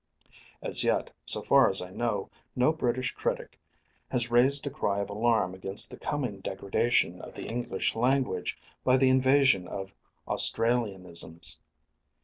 As yet, so far as I know, no British critic has raised a cry of alarm against the coming degradation of the English language by the invasion of Australianisms.